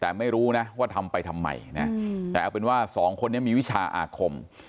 แต่ไม่รู้นะว่าทำไปทำไมนะแต่เอาเป็นว่าสองคนนี้มีวิชาอาคม